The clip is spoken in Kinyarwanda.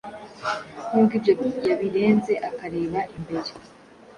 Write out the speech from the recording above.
nubwo ibyo yabirenze, akareba imbere.